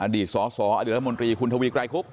อดีตสสอมคุณทวีไกรคุบ